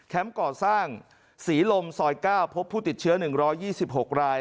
แคมป์ก่อสร้างศรีลมซอยก้าวพบผู้ติดเชื้อ๑๒๖ราย